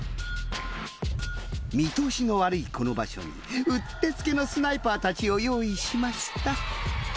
見通しの悪いこの場所にうってつけのスナイパーたちを用意しました。